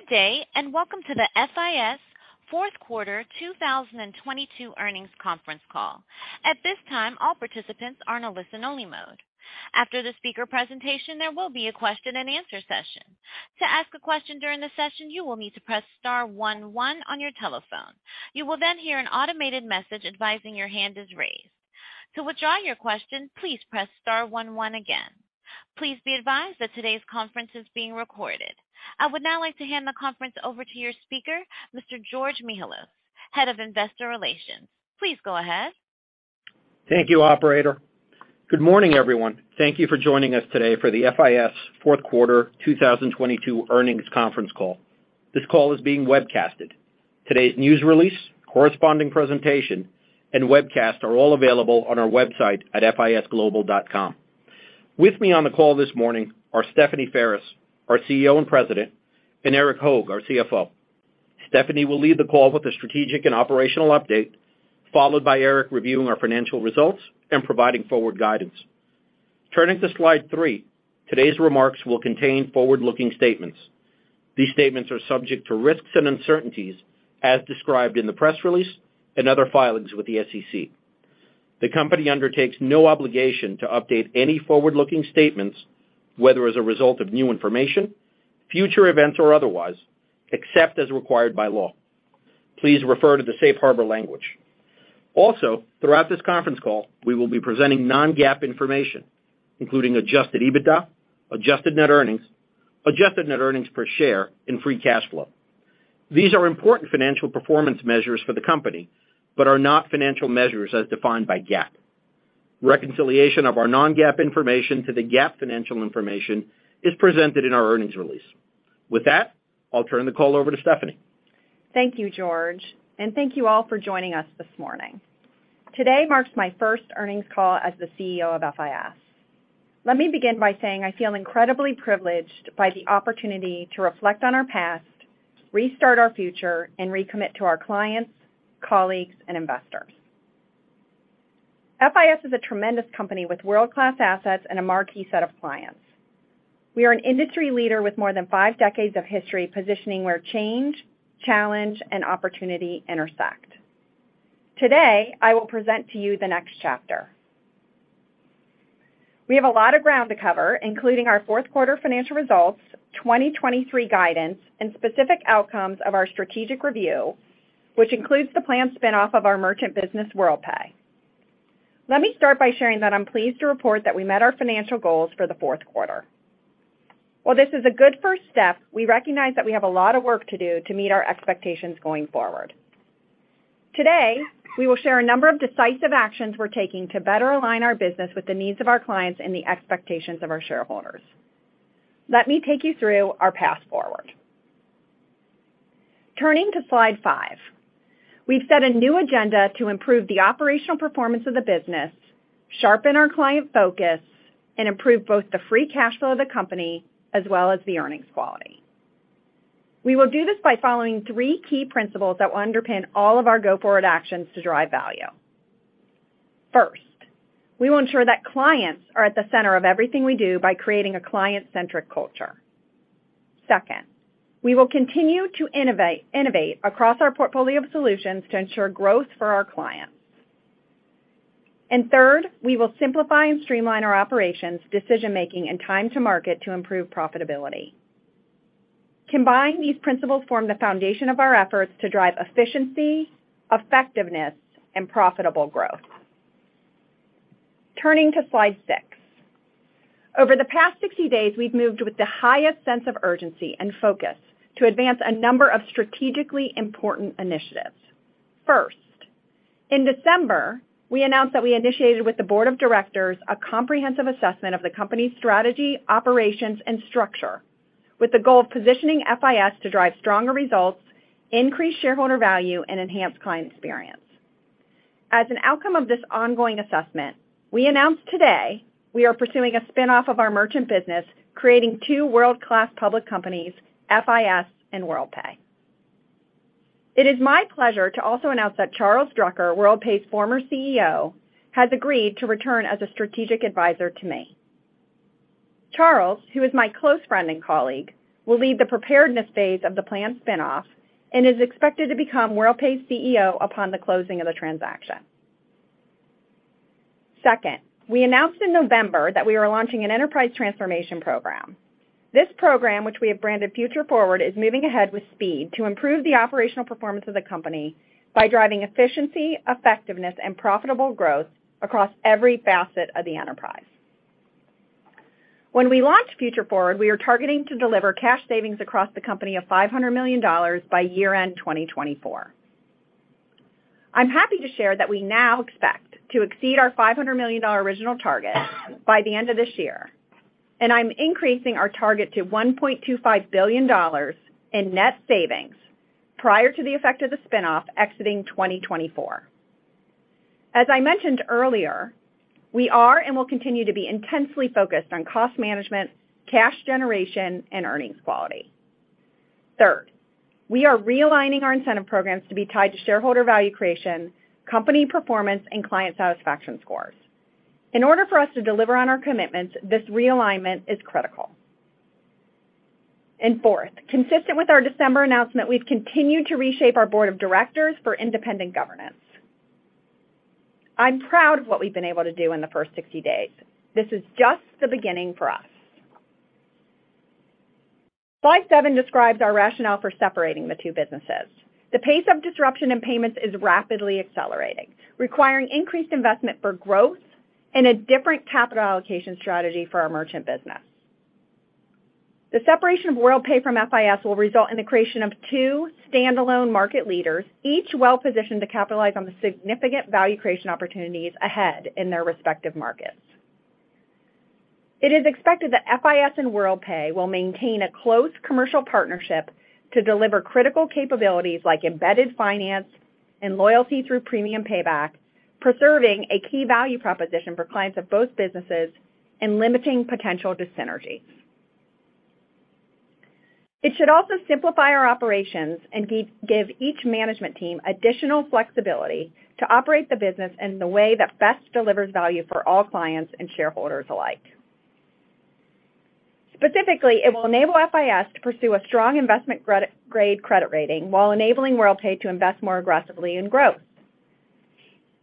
Good day, and welcome to the FIS fourth quarter 2022 earnings conference call. At this time, all participants are in a listen-only mode. After the speaker presentation, there will be a question-and-answer session. To ask a question during the session, you will need to press star 11 on your telephone. You will then hear an automated message advising your hand is raised. To withdraw your question, please press star 11 again. Please be advised that today's conference is being recorded. I would now like to hand the conference over to your speaker, Mr. George Mihalos, Head of Investor Relations. Please go ahead. Thank you, operator. Good morning, everyone. Thank you for joining us today for the FIS fourth quarter 2022 earnings conference call. This call is being webcasted. Today's news release, corresponding presentation, and webcast are all available on our website at fisglobal.com. With me on the call this morning are Stephanie Ferris, our CEO and President, and Erik Hoag, our CFO. Stephanie will lead the call with a strategic and operational update, followed by Erik reviewing our financial results and providing forward guidance. Turning to slide three, today's remarks will contain forward-looking statements. These statements are subject to risks and uncertainties as described in the press release and other filings with the SEC. The company undertakes no obligation to update any forward-looking statements, whether as a result of new information, future events, or otherwise, except as required by law. Please refer to the safe harbor language. Throughout this conference call, we will be presenting non-GAAP information, including adjusted EBITDA, adjusted net earnings, adjusted net earnings per share, and free cash flow. These are important financial performance measures for the company but are not financial measures as defined by GAAP. Reconciliation of our non-GAAP information to the GAAP financial information is presented in our earnings release. With that, I'll turn the call over to Stephanie. Thank you, George, and thank you all for joining us this morning. Today marks my first earnings call as the CEO of FIS. Let me begin by saying I feel incredibly privileged by the opportunity to reflect on our past, restart our future, and recommit to our clients, colleagues, and investors. FIS is a tremendous company with world-class assets and a marquee set of clients. We are an industry leader with more than five decades of history positioning where change, challenge, and opportunity intersect. Today, I will present to you the next chapter. We have a lot of ground to cover, including our fourth quarter financial results, 2023 guidance, and specific outcomes of our strategic review, which includes the planned spin-off of our merchant business, Worldpay. Let me start by sharing that I'm pleased to report that we met our financial goals for the fourth quarter. While this is a good first step, we recognize that we have a lot of work to do to meet our expectations going forward. Today, we will share a number of decisive actions we're taking to better align our business with the needs of our clients and the expectations of our shareholders. Let me take you through our path forward. Turning to slide five. We've set a new agenda to improve the operational performance of the business, sharpen our client focus, and improve both the free cash flow of the company as well as the earnings quality. We will do this by following three key principles that will underpin all of our go-forward actions to drive value. First, we will ensure that clients are at the center of everything we do by creating a client-centric culture. We will continue to innovate across our portfolio of solutions to ensure growth for our clients. Third, we will simplify and streamline our operations, decision-making, and time to market to improve profitability. Combined, these principles form the foundation of our efforts to drive efficiency, effectiveness, and profitable growth. Turning to slide six. Over the past 60 days, we've moved with the highest sense of urgency and focus to advance a number of strategically important initiatives. In December, we announced that we initiated with the board of directors a comprehensive assessment of the company's strategy, operations, and structure with the goal of positioning FIS to drive stronger results, increase shareholder value, and enhance client experience. As an outcome of this ongoing assessment, we announced today we are pursuing a spin-off of our merchant business, creating two world-class public companies, FIS and Worldpay. It is my pleasure to also announce that Charles Drucker, Worldpay's former CEO, has agreed to return as a Strategic Advisor to me. Charles, who is my close friend and colleague, will lead the preparedness phase of the planned spin-off and is expected to become Worldpay's CEO upon the closing of the transaction. Second, we announced in November that we are launching an enterprise transformation program. This program, which we have branded Future Forward, is moving ahead with speed to improve the operational performance of the company by driving efficiency, effectiveness, and profitable growth across every facet of the enterprise. When we launched Future Forward, we are targeting to deliver cash savings across the company of $500 million by year-end 2024. I'm happy to share that we now expect to exceed our $500 million original target by the end of this year, and I'm increasing our target to $1.25 billion in net savings prior to the effect of the spin-off exiting 2024. As I mentioned earlier, we are and will continue to be intensely focused on cost management, cash generation, and earnings quality. Third, we are realigning our incentive programs to be tied to shareholder value creation, company performance, and client satisfaction scores. In order for us to deliver on our commitments, this realignment is critical. Fourth, consistent with our December announcement, we've continued to reshape our board of directors for independent governance. I'm proud of what we've been able to do in the first 60 days. This is just the beginning for us. Slide seven describes our rationale for separating the two businesses. The pace of disruption in payments is rapidly accelerating, requiring increased investment for growth and a different capital allocation strategy for our merchant business. The separation of Worldpay from FIS will result in the creation of two standalone market leaders, each well-positioned to capitalize on the significant value creation opportunities ahead in their respective markets. It is expected that FIS and Worldpay will maintain a close commercial partnership to deliver critical capabilities like embedded finance and loyalty through Premium Payback, preserving a key value proposition for clients of both businesses and limiting potential dyssynergies. It should also simplify our operations and give each management team additional flexibility to operate the business in the way that best delivers value for all clients and shareholders alike. Specifically, it will enable FIS to pursue a strong investment credit grade credit rating while enabling Worldpay to invest more aggressively in growth.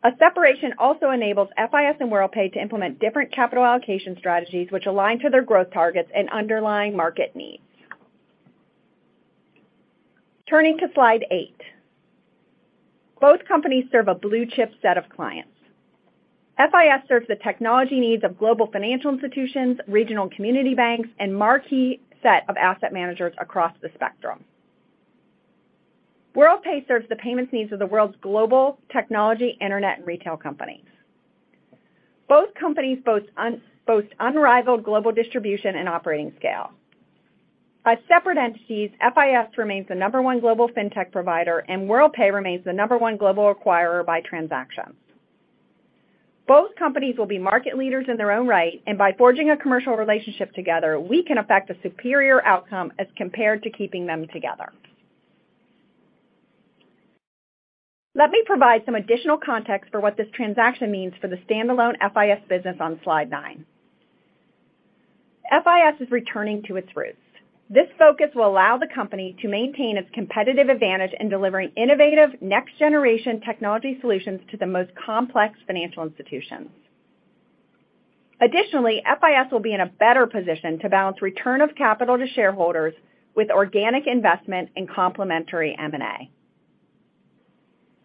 A separation also enables FIS and Worldpay to implement different capital allocation strategies which align to their growth targets and underlying market needs. Turning to slide eight. Both companies serve a blue-chip set of clients. FIS serves the technology needs of global financial institutions, regional community banks, and marquee set of asset managers across the spectrum. Worldpay serves the payments needs of the world's global technology, internet, and retail companies. Both companies boast unrivaled global distribution and operating scale. As separate entities, FIS remains the number one global fintech provider, and Worldpay remains the number one global acquirer by transactions. Both companies will be market leaders in their own right, and by forging a commercial relationship together, we can affect a superior outcome as compared to keeping them together. Let me provide some additional context for what this transaction means for the standalone FIS business on slide nine. FIS is returning to its roots. This focus will allow the company to maintain its competitive advantage in delivering innovative next-generation technology solutions to the most complex financial institutions. Additionally, FIS will be in a better position to balance return of capital to shareholders with organic investment and complementary M&A.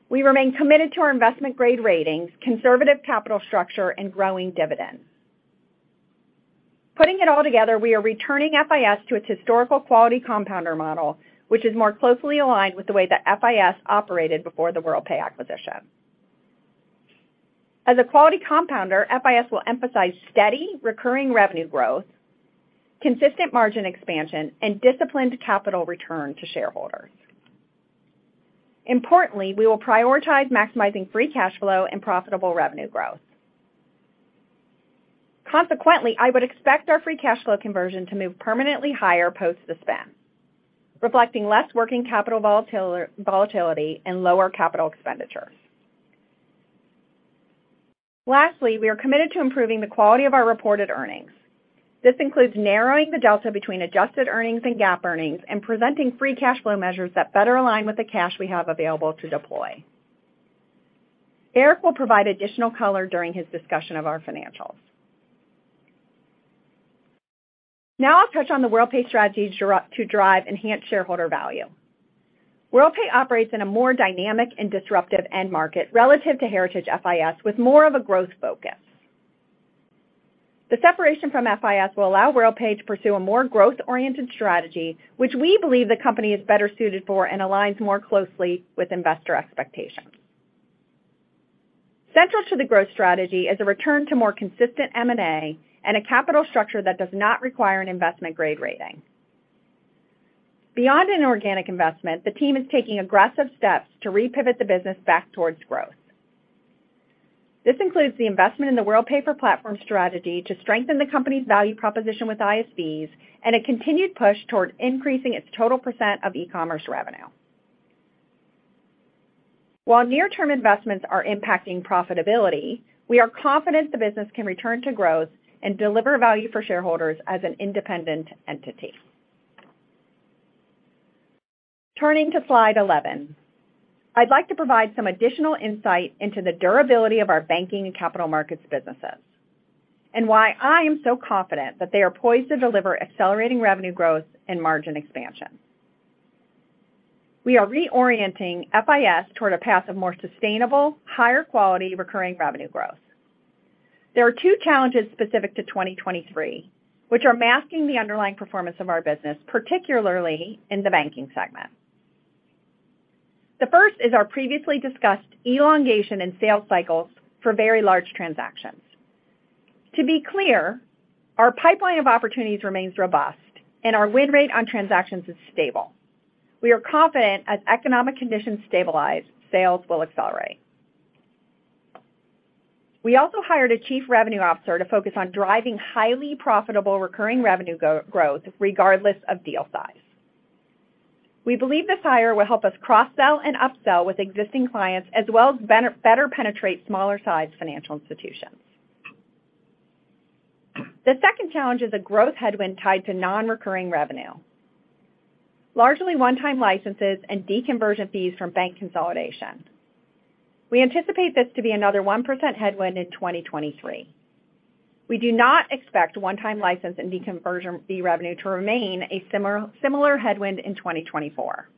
We remain committed to our investment-grade ratings, conservative capital structure, and growing dividends. Putting it all together, we are returning FIS to its historical quality compounder model, which is more closely aligned with the way that FIS operated before the Worldpay acquisition. As a quality compounder, FIS will emphasize steady recurring revenue growth, consistent margin expansion, and disciplined capital return to shareholders. Importantly, we will prioritize maximizing free cash flow and profitable revenue growth. Consequently, I would expect our free cash flow conversion to move permanently higher post the spin, reflecting less working capital volatility and lower capital expenditures. Lastly, we are committed to improving the quality of our reported earnings. This includes narrowing the delta between adjusted earnings and GAAP earnings and presenting free cash flow measures that better align with the cash we have available to deploy. Erik will provide additional color during his discussion of our financials. Now I'll touch on the Worldpay strategy to drive enhanced shareholder value. Worldpay operates in a more dynamic and disruptive end market relative to heritage FIS with more of a growth focus. The separation from FIS will allow Worldpay to pursue a more growth-oriented strategy, which we believe the company is better suited for and aligns more closely with investor expectations. Central to the growth strategy is a return to more consistent M&A and a capital structure that does not require an investment-grade rating. Beyond an organic investment, the team is taking aggressive steps to repivot the business back towards growth. This includes the investment in the Worldpay for Platforms strategy to strengthen the company's value proposition with ISVs and a continued push toward increasing its total % of eCommerce revenue. While near-term investments are impacting profitability, we are confident the business can return to growth and deliver value for shareholders as an independent entity. Turning to slide 11. I'd like to provide some additional insight into the durability of our banking and capital markets businesses and why I am so confident that they are poised to deliver accelerating revenue growth and margin expansion. We are reorienting FIS toward a path of more sustainable, higher quality recurring revenue growth. There are two challenges specific to 2023, which are masking the underlying performance of our business, particularly in the banking segment. The first is our previously discussed elongation in sales cycles for very large transactions. To be clear, our pipeline of opportunities remains robust and our win rate on transactions is stable. We are confident as economic conditions stabilize, sales will accelerate. We also hired a chief revenue officer to focus on driving highly profitable recurring revenue growth regardless of deal size. We believe this hire will help us cross-sell and upsell with existing clients as well as better penetrate smaller-sized financial institutions. The second challenge is a growth headwind tied to non-recurring revenue, largely one-time licenses and deconversion fees from bank consolidation. We anticipate this to be another 1% headwind in 2023. We do not expect one-time license and deconversion fee revenue to remain a similar headwind in 2024.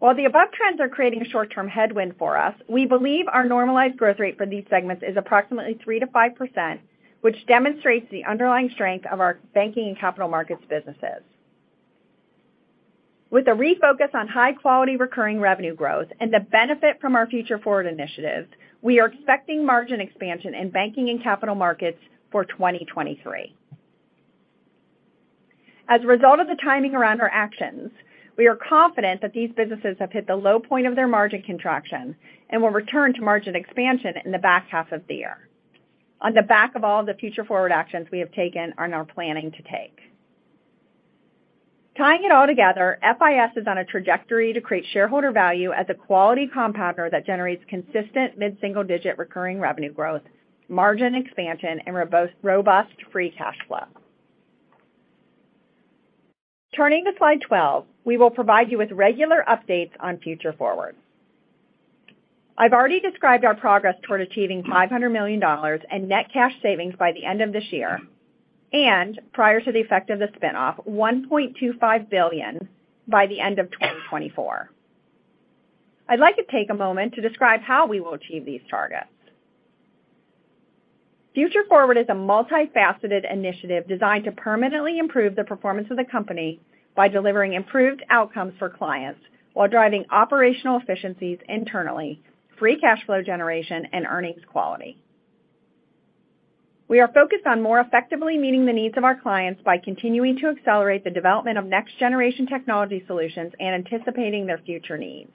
While the above trends are creating a short-term headwind for us, we believe our normalized growth rate for these segments is approximately 3%-5%, which demonstrates the underlying strength of our banking and capital markets businesses. With a refocus on high-quality recurring revenue growth and the benefit from our Future Forward initiative, we are expecting margin expansion in banking and capital markets for 2023. As a result of the timing around our actions, we are confident that these businesses have hit the low point of their margin contraction and will return to margin expansion in the back half of the year on the back of all the Future Forward actions we have taken and are planning to take. Tying it all together, FIS is on a trajectory to create shareholder value as a quality compounder that generates consistent mid-single-digit recurring revenue growth, margin expansion, and robust free cash flow. Turning to slide 12, we will provide you with regular updates on Future Forward. I've already described our progress toward achieving $500 million in net cash savings by the end of this year, and prior to the effect of the spin-off, 1.25 billion by the end of 2024. I'd like to take a moment to describe how we will achieve these targets. Future Forward is a multifaceted initiative designed to permanently improve the performance of the company by delivering improved outcomes for clients while driving operational efficiencies internally, free cash flow generation, and earnings quality. We are focused on more effectively meeting the needs of our clients by continuing to accelerate the development of next-generation technology solutions and anticipating their future needs.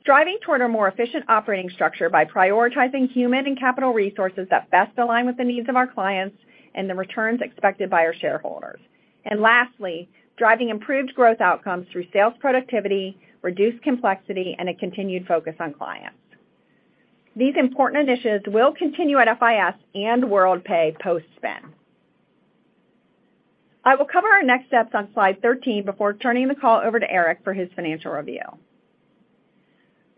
Striving toward a more efficient operating structure by prioritizing human and capital resources that best align with the needs of our clients and the returns expected by our shareholders. Lastly, driving improved growth outcomes through sales productivity, reduced complexity, and a continued focus on clients. These important initiatives will continue at FIS and Worldpay post-spin. I will cover our next steps on slide 13 before turning the call over to Erik for his financial review.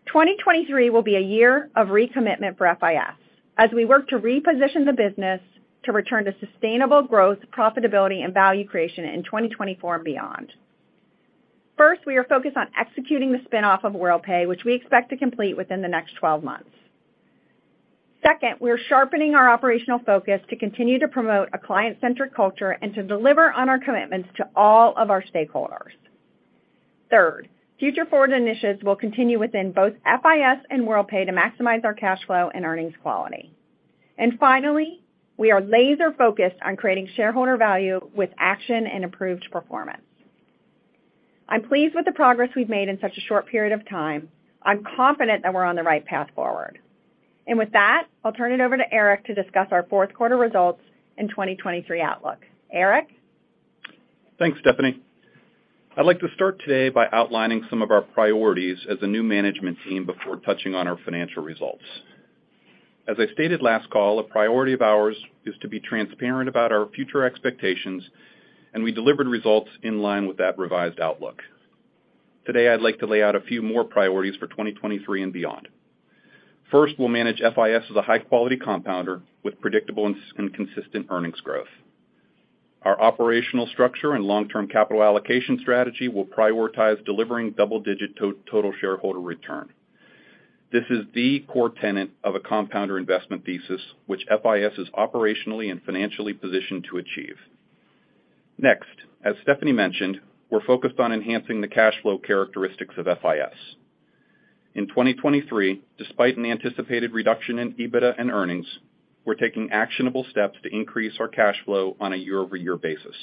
2023 will be a year of recommitment for FIS as we work to reposition the business to return to sustainable growth, profitability, and value creation in 2024 and beyond. First, we are focused on executing the spin-off of Worldpay, which we expect to complete within the next 12 months. Second, we are sharpening our operational focus to continue to promote a client-centric culture and to deliver on our commitments to all of our stakeholders. Third, Future Forward initiatives will continue within both FIS and Worldpay to maximize our cash flow and earnings quality. Finally, we are laser-focused on creating shareholder value with action and improved performance. I'm pleased with the progress we've made in such a short period of time. I'm confident that we're on the right path forward. With that, I'll turn it over to Erik to discuss our fourth quarter results and 2023 outlook. Erik? Thanks, Stephanie. I'd like to start today by outlining some of our priorities as a new management team before touching on our financial results. As I stated last call, a priority of ours is to be transparent about our future expectations, and we delivered results in line with that revised outlook. Today, I'd like to lay out a few more priorities for 2023 and beyond. First, we'll manage FIS as a high-quality compounder with predictable and consistent earnings growth. Our operational structure and long-term capital allocation strategy will prioritize delivering double-digit total shareholder return. This is the core tenet of a compounder investment thesis, which FIS is operationally and financially positioned to achieve. Next, as Stephanie mentioned, we're focused on enhancing the cash flow characteristics of FIS. In 2023, despite an anticipated reduction in EBITDA and earnings, we're taking actionable steps to increase our cash flow on a year-over-year basis.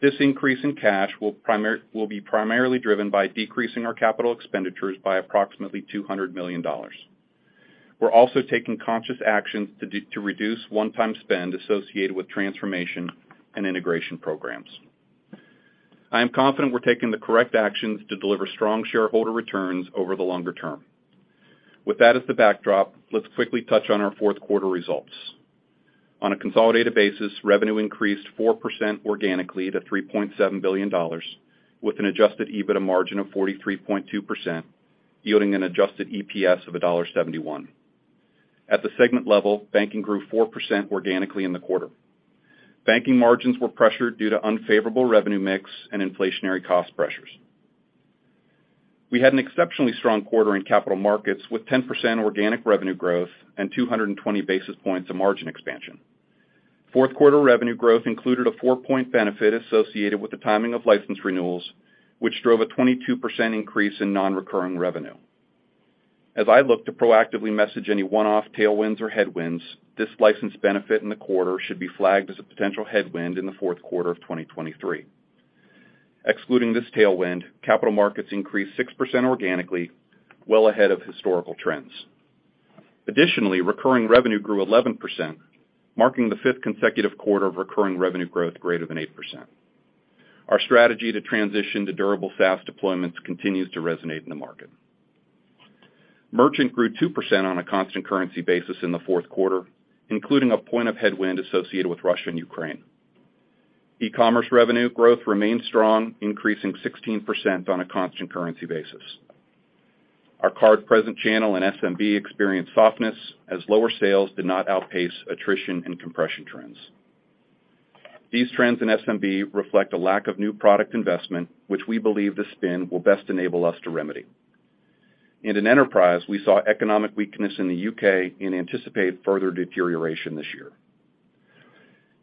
This increase in cash will primarily be driven by decreasing our capital expenditures by approximately $200 million. We're also taking conscious actions to reduce one-time spend associated with transformation and integration programs. I am confident we're taking the correct actions to deliver strong shareholder returns over the longer term. With that as the backdrop, let's quickly touch on our fourth quarter results. On a consolidated basis, revenue increased 4% organically to $3.7 billion with an adjusted EBITDA margin of 43.2%, yielding an adjusted EPS of $1.71. At the segment level, banking grew 4% organically in the quarter. Banking margins were pressured due to unfavorable revenue mix and inflationary cost pressures. We had an exceptionally strong quarter in capital markets with 10% organic revenue growth and 220 basis points of margin expansion. Fourth quarter revenue growth included a 4-point benefit associated with the timing of license renewals, which drove a 22% increase in non-recurring revenue. As I look to proactively message any one-off tailwinds or headwinds, this license benefit in the quarter should be flagged as a potential headwind in the fourth quarter of 2023. Excluding this tailwind, capital markets increased 6% organically, well ahead of historical trends. Additionally, recurring revenue grew 11%, marking the fifth consecutive quarter of recurring revenue growth greater than 8%. Our strategy to transition to durable SaaS deployments continues to resonate in the market. Merchant grew 2% on a constant currency basis in the fourth quarter, including a 1-point headwind associated with Russia and Ukraine. eCommerce revenue growth remained strong, increasing 16% on a constant currency basis. Our card-present channel in SMB experienced softness as lower sales did not outpace attrition and compression trends. These trends in SMB reflect a lack of new product investment, which we believe the spin will best enable us to remedy. In enterprise, we saw economic weakness in the U.K. and anticipate further deterioration this year.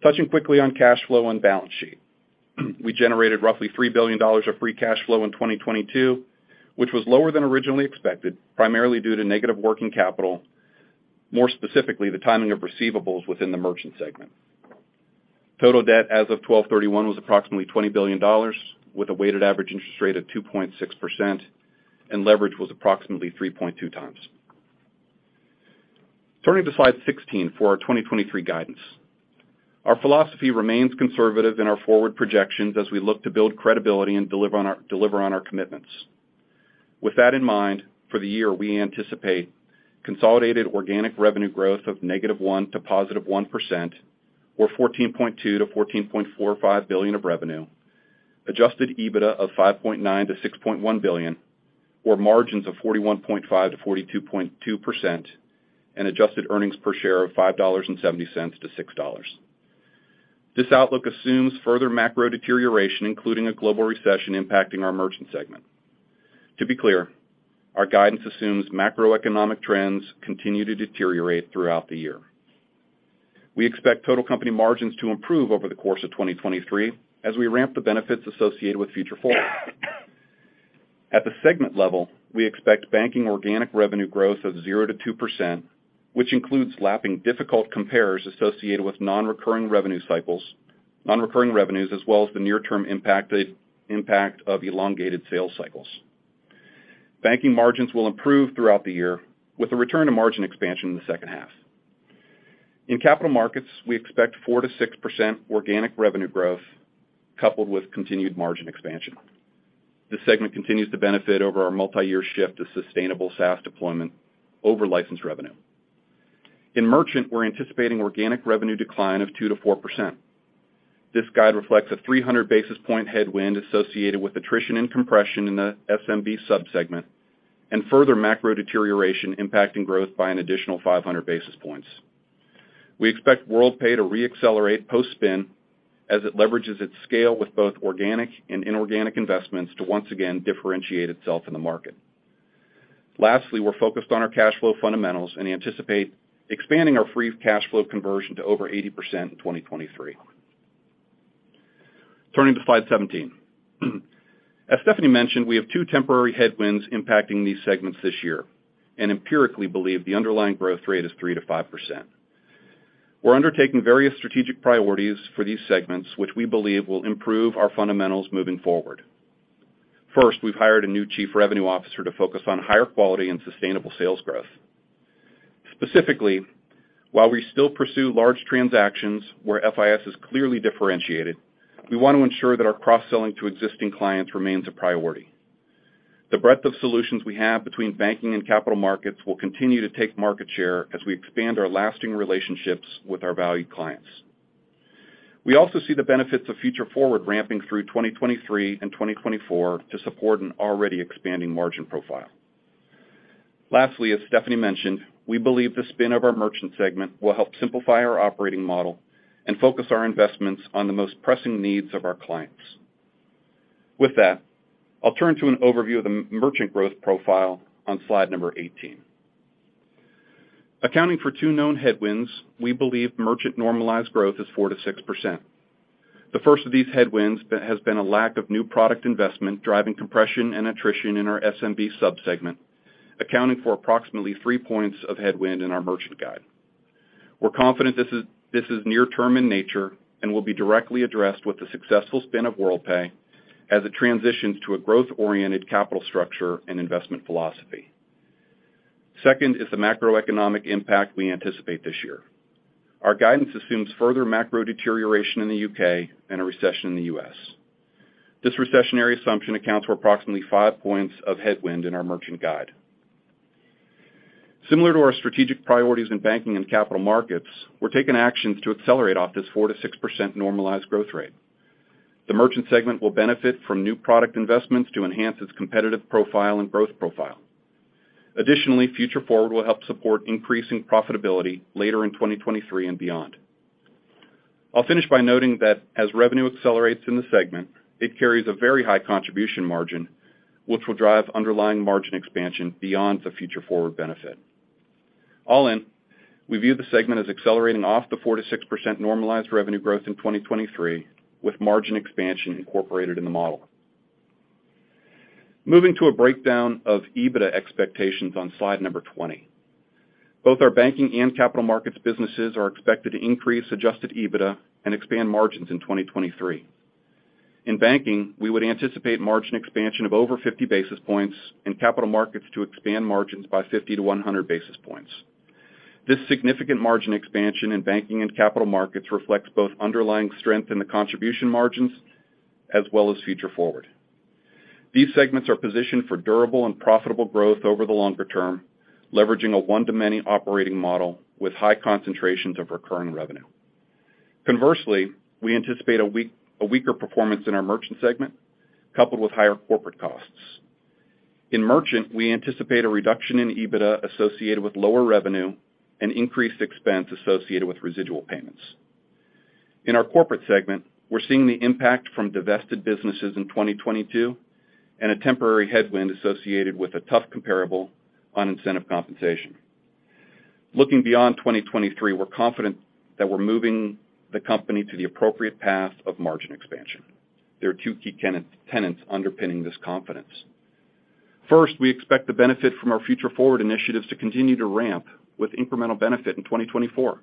Touching quickly on cash flow and balance sheet. We generated roughly $3 billion of free cash flow in 2022, which was lower than originally expected, primarily due to negative working capital, more specifically, the timing of receivables within the merchant segment. Total debt as of 12/31 was approximately $20 billion with a weighted average interest rate of 2.6%, and leverage was approximately 3.2 times. Turning to slide 16 for our 2023 guidance. Our philosophy remains conservative in our forward projections as we look to build credibility and deliver on our commitments. With that in mind, for the year, we anticipate consolidated organic revenue growth of -1% to +1% or 14.2 billion-14.45 billion of revenue, adjusted EBITDA of 5.9 billion-6.1 billion, or margins of 41.5%-42.2%, and adjusted EPS of $5.70-$6.00. This outlook assumes further macro deterioration, including a global recession impacting our merchant segment. To be clear, our guidance assumes macroeconomic trends continue to deteriorate throughout the year. We expect total company margins to improve over the course of 2023 as we ramp the benefits associated with Future Forward. At the segment level, we expect banking organic revenue growth of 0%-2%, which includes lapping difficult compares associated with non-recurring revenues, as well as the near-term impact of elongated sales cycles. Banking margins will improve throughout the year with a return to margin expansion in the second half. In capital markets, we expect 4%-6% organic revenue growth coupled with continued margin expansion. This segment continues to benefit over our multiyear shift to sustainable SaaS deployment over licensed revenue. In merchant, we're anticipating organic revenue decline of 2%-4%. This guide reflects a 300 basis point headwind associated with attrition and compression in the SMB sub-segment, and further macro deterioration impacting growth by an additional 500 basis points. We expect Worldpay to re-accelerate post-spin as it leverages its scale with both organic and inorganic investments to once again differentiate itself in the market. We're focused on our cash flow fundamentals and anticipate expanding our free cash flow conversion to over 80% in 2023. Turning to slide 17. As Stephanie mentioned, we have two temporary headwinds impacting these segments this year and empirically believe the underlying growth rate is 3%-5%. We're undertaking various strategic priorities for these segments, which we believe will improve our fundamentals moving forward. First, we've hired a new chief revenue officer to focus on higher quality and sustainable sales growth. Specifically, while we still pursue large transactions where FIS is clearly differentiated, we want to ensure that our cross-selling to existing clients remains a priority. The breadth of solutions we have between banking and capital markets will continue to take market share as we expand our lasting relationships with our valued clients. We also see the benefits of Future Forward ramping through 2023 and 2024 to support an already expanding margin profile. Lastly, as Stephanie mentioned, we believe the spin of our merchant segment will help simplify our operating model and focus our investments on the most pressing needs of our clients. With that, I'll turn to an overview of the merchant growth profile on slide number 18. Accounting for two known headwinds, we believe merchant normalized growth is 4%-6%. The first of these headwinds that has been a lack of new product investment, driving compression and attrition in our SMB sub-segment, accounting for approximately three points of headwind in our merchant guide. We're confident this is, this is near-term in nature and will be directly addressed with the successful spin of Worldpay as it transitions to a growth-oriented capital structure and investment philosophy. Second is the macroeconomic impact we anticipate this year. Our guidance assumes further macro deterioration in the U.K. and a recession in the U.S. This recessionary assumption accounts for approximately five points of headwind in our merchant guide. Similar to our strategic priorities in banking and capital markets, we're taking actions to accelerate off this 4%-6% normalized growth rate. The merchant segment will benefit from new product investments to enhance its competitive profile and growth profile. Additionally, Future Forward will help support increasing profitability later in 2023 and beyond. I'll finish by noting that as revenue accelerates in the segment, it carries a very high contribution margin, which will drive underlying margin expansion beyond the Future Forward benefit. All in, we view the segment as accelerating off the 4%-6% normalized revenue growth in 2023 with margin expansion incorporated in the model. Moving to a breakdown of EBITDA expectations on slide number 20. Both our banking and capital markets businesses are expected to increase adjusted EBITDA and expand margins in 2023. In banking, we would anticipate margin expansion of over 50 basis points and capital markets to expand margins by 50-100 basis points. This significant margin expansion in banking and capital markets reflects both underlying strength in the contribution margins as well as Future Forward. These segments are positioned for durable and profitable growth over the longer term, leveraging a one-to-many operating model with high concentrations of recurring revenue. Conversely, we anticipate a weaker performance in our merchant segment coupled with higher corporate costs. In merchant, we anticipate a reduction in EBITDA associated with lower revenue and increased expense associated with residual payments. In our corporate segment, we're seeing the impact from divested businesses in 2022 and a temporary headwind associated with a tough comparable on incentive compensation. Looking beyond 2023, we're confident that we're moving the company to the appropriate path of margin expansion. There are two key tenants underpinning this confidence. First, we expect the benefit from our Future Forward initiatives to continue to ramp with incremental benefit in 2024.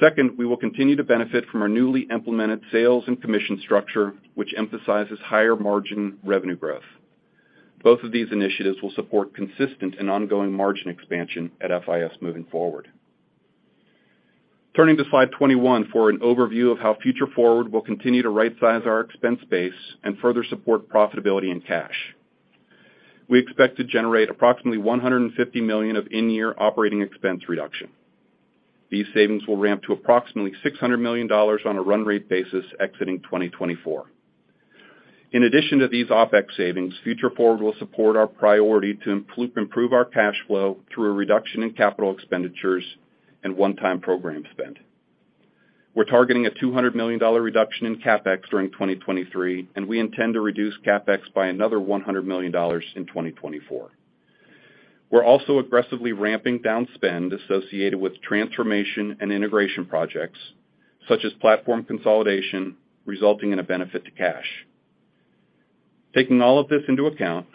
Second, we will continue to benefit from our newly implemented sales and commission structure, which emphasizes higher-margin revenue growth. Both of these initiatives will support consistent and ongoing margin expansion at FIS moving forward. Turning to slide 21 for an overview of how Future Forward will continue to rightsize our expense base and further support profitability and cash. We expect to generate approximately 150 million of in-year operating expense reduction. These savings will ramp to approximately $600 million on a run rate basis exiting 2024. In addition to these OpEx savings, Future Forward will support our priority to improve our cash flow through a reduction in capital expenditures and one-time program spend. We're targeting a $200 million reduction in CapEx during 2023, and we intend to reduce CapEx by another $100 million in 2024. We're also aggressively ramping down spend associated with transformation and integration projects, such as platform consolidation, resulting in a benefit to cash. Taking all of this into account,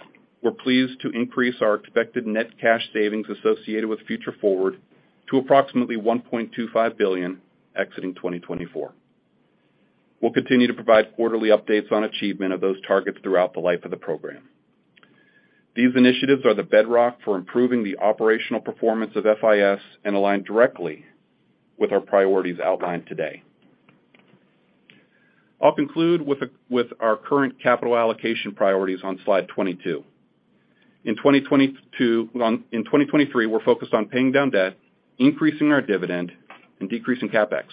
we're pleased to increase our expected net cash savings associated with Future Forward to approximately 1.25 billion exiting 2024. We'll continue to provide quarterly updates on achievement of those targets throughout the life of the program. These initiatives are the bedrock for improving the operational performance of FIS and align directly with our priorities outlined today. I'll conclude with our current capital allocation priorities on slide 22. In 2022. In 2023, we're focused on paying down debt, increasing our dividend, and decreasing CapEx.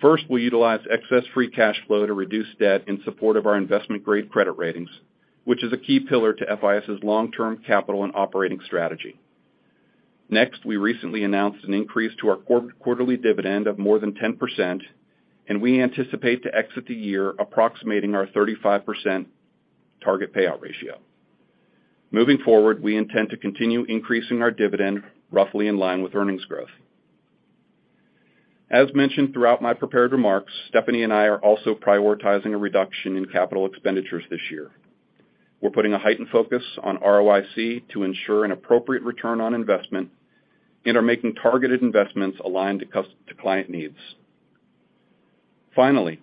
First, we'll utilize excess free cash flow to reduce debt in support of our investment-grade credit ratings, which is a key pillar to FIS's long-term capital and operating strategy. Next, we recently announced an increase to our quarterly dividend of more than 10%, and we anticipate to exit the year approximating our 35% target payout ratio. Moving forward, we intend to continue increasing our dividend roughly in line with earnings growth. As mentioned throughout my prepared remarks, Stephanie and I are also prioritizing a reduction in capital expenditures this year. We're putting a heightened focus on ROIC to ensure an appropriate return on investment and are making targeted investments aligned to client needs. Finally,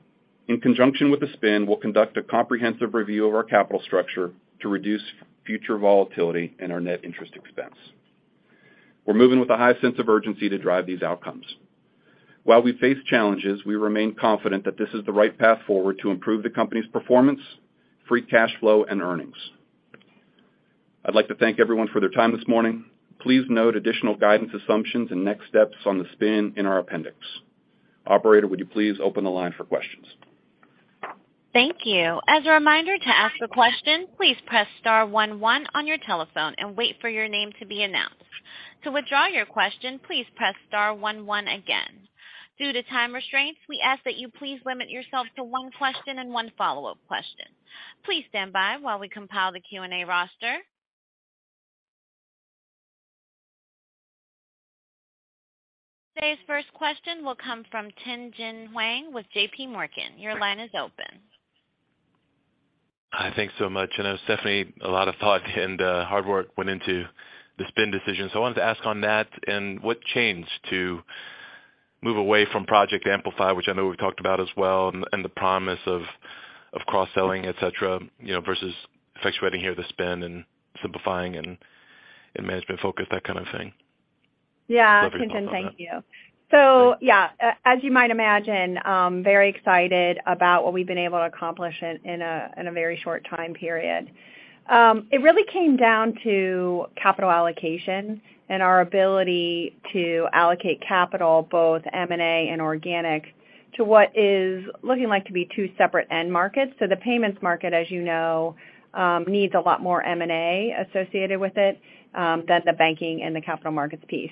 in conjunction with the spin, we'll conduct a comprehensive review of our capital structure to reduce future volatility and our net interest expense. We're moving with a high sense of urgency to drive these outcomes. While we face challenges, we remain confident that this is the right path forward to improve the company's performance, free cash flow, and earnings. I'd like to thank everyone for their time this morning. Please note additional guidance assumptions and next steps on the spin in our appendix. Operator, would you please open the line for questions? Thank you. As a reminder to ask a question, please press star one one on your telephone and wait for your name to be announced. To withdraw your question, please press star one one again. Due to time restraints, we ask that you please limit yourself to one question and one follow-up question. Please stand by while we compile the Q&A roster. Today's first question will come from Tien-Tsin Huang with J.P. Morgan. Your line is open. Hi. Thanks so much. I know Stephanie, a lot of thought and hard work went into the spin decision. I wanted to ask on that and what changed to move away from Project Amplify, which I know we've talked about as well, and the promise of cross-selling, et cetera, you know, versus effectuating here the spin and simplifying and management focus, that kind of thing? Yeah. Love to hear your thoughts on that. Tien-Tsin, thank you. Yeah, as you might imagine, very excited about what we've been able to accomplish in a, in a very short time period. It really came down to capital allocation and our ability to allocate capital, both M&A and organic, to what is looking like to be two separate end markets. The payments market, as you know, needs a lot more M&A associated with it, than the banking and the capital markets piece.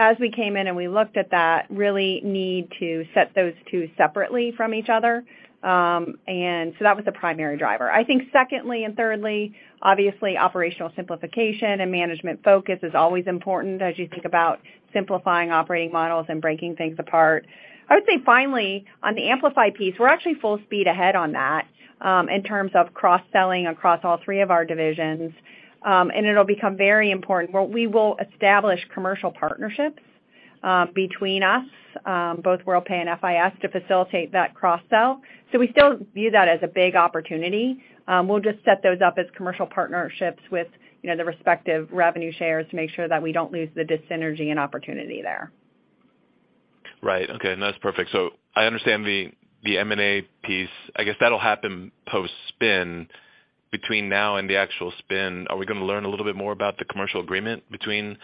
As we came in and we looked at that, really need to set those two separately from each other. That was the primary driver. Secondly and thirdly, obviously operational simplification and management focus is always important as you think about simplifying operating models and breaking things apart. I would say finally, on the Amplify piece, we're actually full speed ahead on that, in terms of cross-selling across all three of our divisions. It'll become very important where we will establish commercial partnerships Between us, both Worldpay and FIS to facilitate that cross-sell. We still view that as a big opportunity. We'll just set those up as commercial partnerships with, you know, the respective revenue shares to make sure that we don't lose the dis-synergy and opportunity there. Right. Okay. No, that's perfect. I understand the M&A piece. I guess that'll happen post-spin. Between now and the actual spin, are we gonna learn a little bit more about the commercial agreement between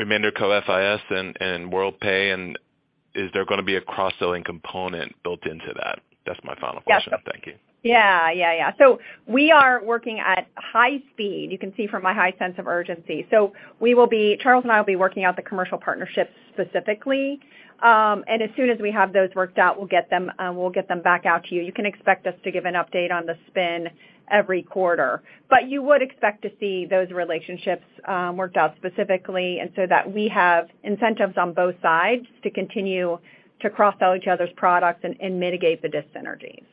RemainCo FIS and Worldpay, and is there gonna be a cross-selling component built into that? That's my final question. Yes. Thank you. Yeah, yeah. We are working at high speed. You can see from my high sense of urgency. Charles and I will be working out the commercial partnerships specifically. As soon as we have those worked out, we'll get them back out to you. You can expect us to give an update on the spin every quarter. You would expect to see those relationships worked out specifically, that we have incentives on both sides to continue to cross-sell each other's products and mitigate the dis-synergies.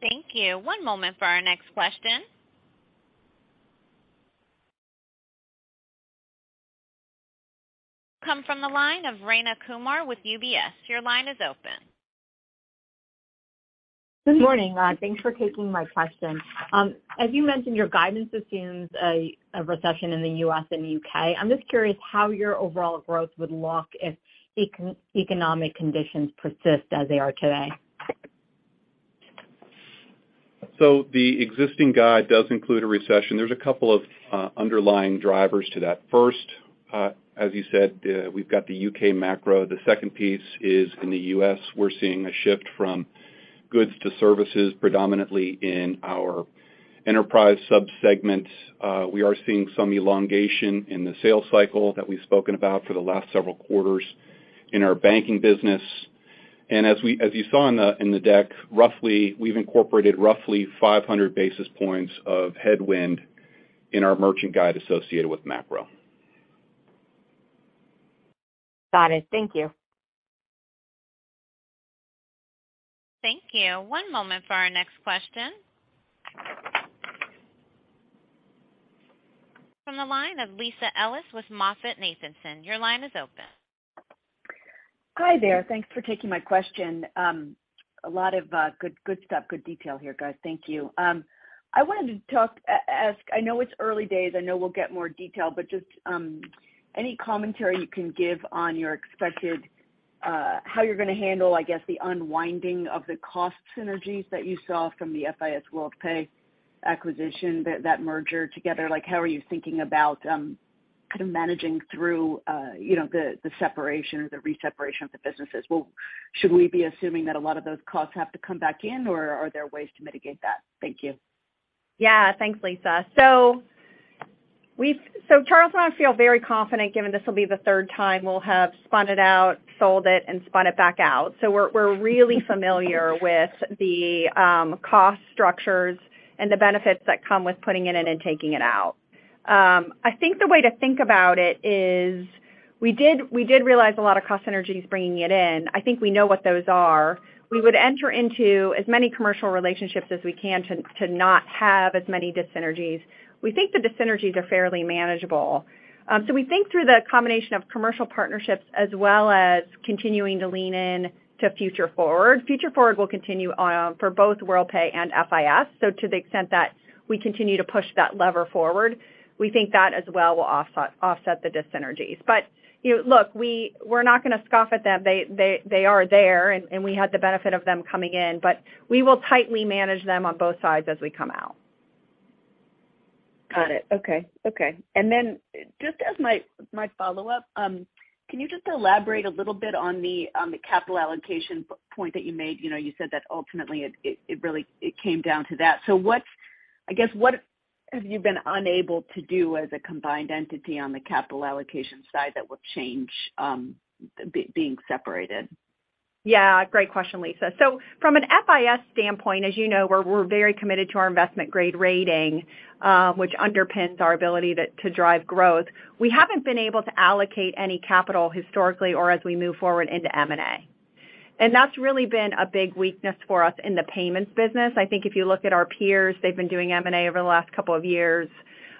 Thank you. One moment for our next question. Come from the line of Rayna Kumar with UBS. Your line is open. Good morning. Thanks for taking my question. As you mentioned, your guidance assumes a recession in the U.S. and U.K. I'm just curious how your overall growth would look if economic conditions persist as they are today. The existing guide does include a recession. There's a couple of underlying drivers to that. First, as you said, we've got the U.K. macro. The second piece is in the U.S., we're seeing a shift from goods to services, predominantly in our enterprise sub-segment. We are seeing some elongation in the sales cycle that we've spoken about for the last several quarters in our banking business. As we, as you saw in the, in the deck, roughly, we've incorporated roughly 500 basis points of headwind in our merchant guide associated with macro. Got it. Thank you. Thank you. One moment for our next question. From the line of Lisa Ellis with MoffettNathanson. Your line is open. Hi there. Thanks for taking my question. A lot of good stuff, good detail here, guys. Thank you. I wanted to ask, I know it's early days, I know we'll get more detail, but just any commentary you can give on your expected how you're gonna handle, I guess, the unwinding of the cost synergies that you saw from the FIS Worldpay acquisition that merger together? Like, how are you thinking about kind of managing through you know, the separation or the re-separation of the businesses? Should we be assuming that a lot of those costs have to come back in, or are there ways to mitigate that? Thank you. Thanks, Lisa. Charles and I feel very confident given this will be the third time we'll have spun it out, sold it and spun it back out. We're really familiar with the cost structures and the benefits that come with putting it in and taking it out. I think the way to think about it is we did realize a lot of cost synergies bringing it in. I think we know what those are. We would enter into as many commercial relationships as we can to not have as many dis-synergies. We think the dis-synergies are fairly manageable. We think through the combination of commercial partnerships as well as continuing to lean in to Future Forward. Future Forward will continue for both Worldpay and FIS. To the extent that we continue to push that lever forward, we think that as well will offset the dis-synergies. You know, look, we're not gonna scoff at them. They are there and we had the benefit of them coming in, but we will tightly manage them on both sides as we come out. Got it. Okay. Okay. Then just as my follow-up, can you just elaborate a little bit on the capital allocation point that you made? You know, you said that ultimately it really came down to that. I guess, what have you been unable to do as a combined entity on the capital allocation side that will change, being separated? Yeah. Great question, Lisa. From an FIS standpoint, as you know, we're very committed to our investment-grade rating, which underpins our ability to drive growth. We haven't been able to allocate any capital historically or as we move forward into M&A. That's really been a big weakness for us in the payments business. I think if you look at our peers, they've been doing M&A over the last couple of years.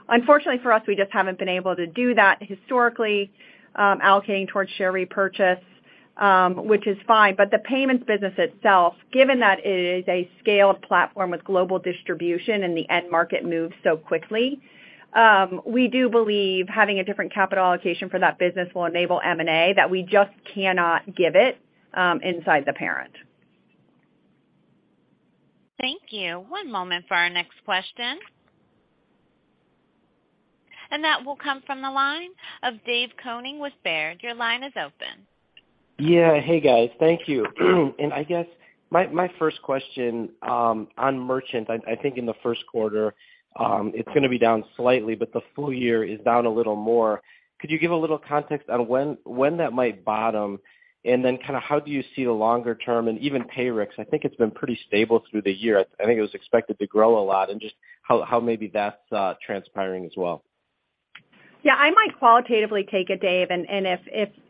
Unfortunately, for us, we just haven't been able to do that historically, allocating towards share repurchase, which is fine. The payments business itself, given that it is a scaled platform with global distribution and the end market moves so quickly, we do believe having a different capital allocation for that business will enable M&A that we just cannot give it inside the parent. Thank you. One moment for our next question. That will come from the line of Dave Koning with Baird. Your line is open. Yeah. Hey, guys. Thank you. I guess my first question on Merchant. I think in the first quarter, it's gonna be down slightly, but the full year is down a little more. Could you give a little context on when that might bottom? Kinda how do you see the longer term and even Payrix? I think it's been pretty stable through the year. I think it was expected to grow a lot and just how maybe that's transpiring as well. Yeah, I might qualitatively take it, Dave, and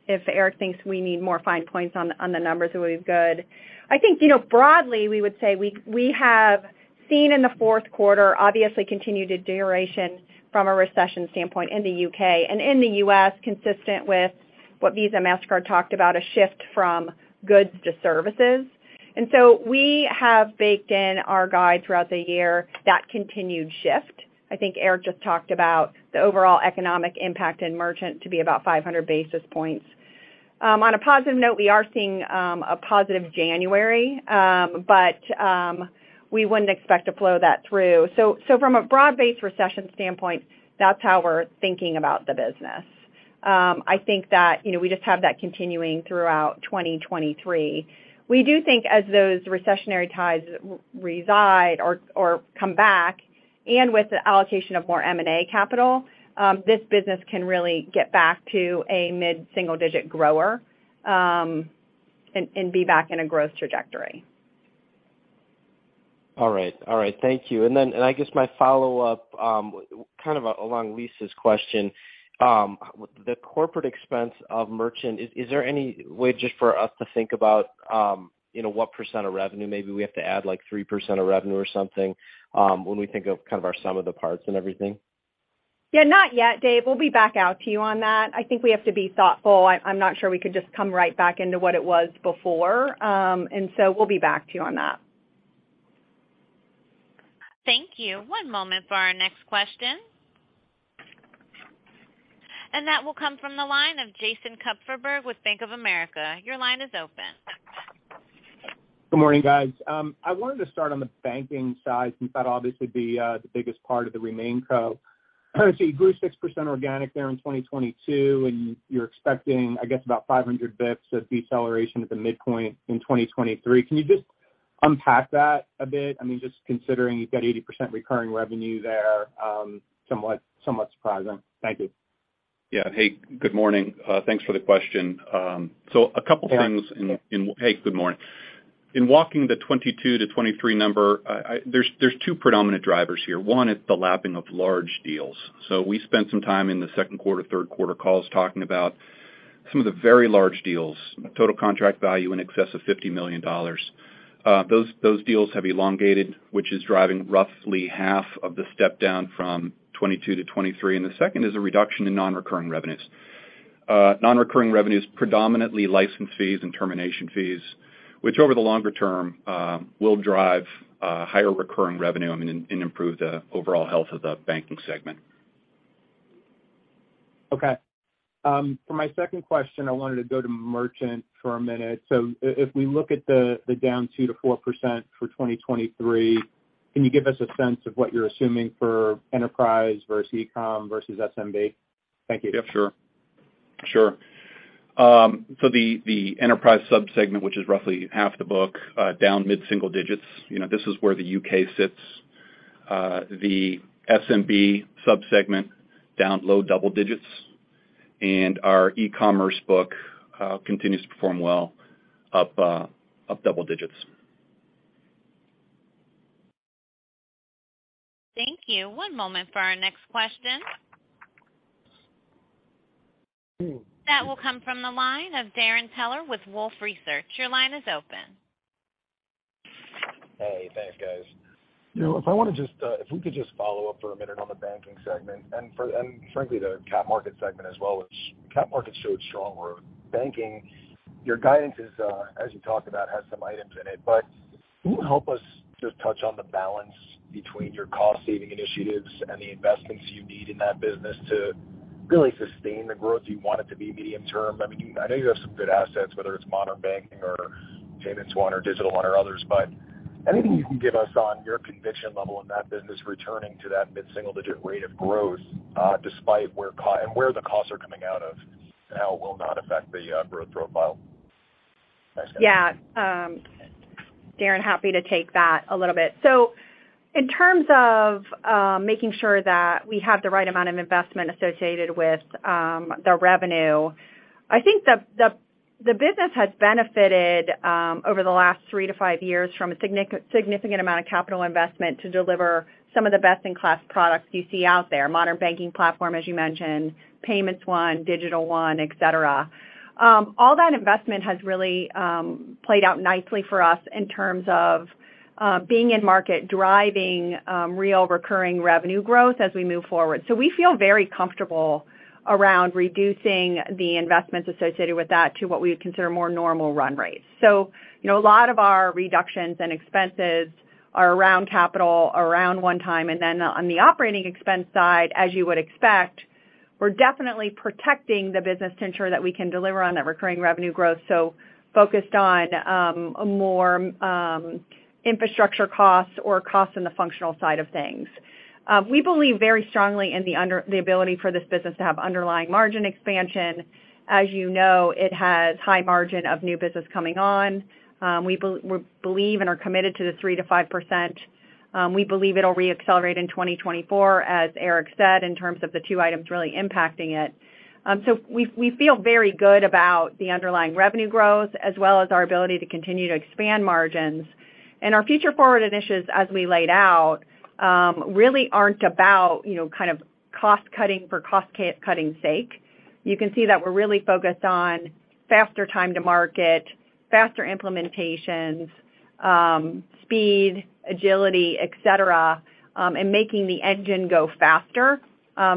if Eric thinks we need more fine points on the numbers, it would be good. I think, you know, broadly, we would say we have seen in the fourth quarter obviously continued deterioration from a recession standpoint in the U.K. and in the U.S., consistent with what Visa, Mastercard talked about, a shift from goods to services. We have baked in our guide throughout the year that continued shift. I think Eric just talked about the overall economic impact in merchant to be about 500 basis points. On a positive note, we are seeing a positive January, but we wouldn't expect to flow that through. From a broad-based recession standpoint, that's how we're thinking about the business. I think that, you know, we just have that continuing throughout 2023. We do think as those recessionary ties reside or come back, and with the allocation of more M&A capital, this business can really get back to a mid-single-digit grower, and be back in a growth trajectory. All right. All right. Thank you. I guess my follow-up, kind of along Lisa's question, the corporate expense of merchant, is there any way just for us to think about, you know, what percent of revenue maybe we have to add, like 3% of revenue or something, when we think of kind of our sum of the parts and everything? Yeah, not yet, Dave. We'll be back out to you on that. I think we have to be thoughtful. I'm not sure we could just come right back into what it was before. We'll be back to you on that. Thank you. One moment for our next question. That will come from the line of Jason Kupferberg with Bank of America. Your line is open. Good morning, guys. I wanted to start on the banking side since that obviously be the biggest part of the RemainCo. You grew 6% organic there in 2022, and you're expecting, I guess about 500 basis points of deceleration at the midpoint in 2023. Can you just unpack that a bit? I mean, just considering you've got 80% recurring revenue there, somewhat surprising. Thank you. Yeah. Hey, good morning. Thanks for the question. A couple things in- Hey, good morning. In walking the 22 to 23 number, there's two predominant drivers here. One is the lapping of large deals. We spent some time in the second quarter, third quarter calls talking about some of the very large deals, total contract value in excess of $50 million. Those deals have elongated, which is driving roughly half of the step-down from 22-23. The second is a reduction in non-recurring revenues. Non-recurring revenues, predominantly license fees and termination fees, which over the longer term, will drive higher recurring revenue and improve the overall health of the banking segment. Okay. For my second question, I wanted to go to merchant for a minute. If we look at the down 2%-4% for 2023, can you give us a sense of what you're assuming for enterprise versus eCommerce versus SMB? Thank you. Yeah, sure. Sure. The enterprise subsegment, which is roughly half the book, down mid-single digits. You know, this is where the U.K. sits. The SMB subsegment, down low double digits. Our eCommerce book continues to perform well, up double digits. Thank you. One moment for our next question. That will come from the line of Darrin Peller with Wolfe Research. Your line is open. Hey, thanks, guys. You know, if I want to just, if we could just follow up for a minute on the banking segment and frankly, the Cap Market segment as well, which Cap Market showed strong growth. Banking, your guidance is, as you talked about, has some items in it. Can you help us just touch on the balance between your cost-saving initiatives and the investments you need in that business to really sustain the growth you want it to be medium-term? I mean, I know you have some good assets, whether it's Modern Banking or Payments One or Digital One or others. Anything you can give us on your conviction level in that business returning to that mid-single-digit rate of growth, despite where and where the costs are coming out of and how it will not affect the growth profile? Thanks, guys. Darrin, happy to take that a little bit. In terms of making sure that we have the right amount of investment associated with the revenue, I think the business has benefited over the last three to five years from a significant amount of capital investment to deliver some of the best-in-class products you see out there. Modern Banking Platform, as you mentioned, Payments One, Digital One, et cetera. All that investment has really played out nicely for us in terms of being in market, driving real recurring revenue growth as we move forward. We feel very comfortable around reducing the investments associated with that to what we would consider more normal run rates. You know, a lot of our reductions and expenses are around capital, around one time, and then on the OpEx side, as you would expect, we're definitely protecting the business to ensure that we can deliver on that recurring revenue growth, so focused on more infrastructure costs or costs in the functional side of things. We believe very strongly in the ability for this business to have underlying margin expansion. As you know, it has high margin of new business coming on. We believe and are committed to the 3%-5%. We believe it'll reaccelerate in 2024, as Erik said, in terms of the two items really impacting it. So we feel very good about the underlying revenue growth as well as our ability to continue to expand margins. Our Future Forward initiatives, as we laid out, really aren't about, you know, kind of cost cutting for cutting sake. You can see that we're really focused on faster time to market, faster implementations, speed, agility, et cetera, and making the engine go faster,